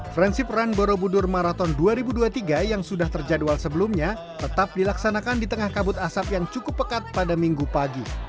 friendship run borobudur marathon dua ribu dua puluh tiga yang sudah terjadwal sebelumnya tetap dilaksanakan di tengah kabut asap yang cukup pekat pada minggu pagi